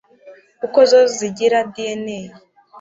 Kuko zo zigira DNA